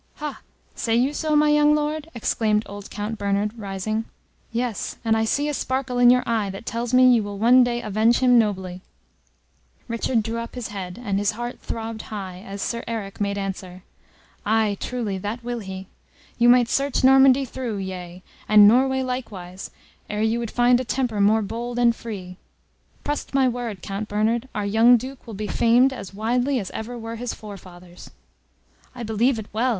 "Ha! say you so, my young Lord?" exclaimed old Count Bernard, rising. "Yes, and I see a sparkle in your eye that tells me you will one day avenge him nobly!" Richard drew up his head, and his heart throbbed high as Sir Eric made answer, "Ay, truly, that will he! You might search Normandy through, yea, and Norway likewise, ere you would find a temper more bold and free. Trust my word, Count Bernard, our young Duke will be famed as widely as ever were his forefathers!" "I believe it well!"